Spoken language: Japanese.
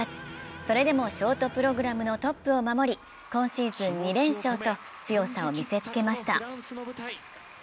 それでもショートプログラムのトップを守り、今シーズン２連勝と強さを見せつけました。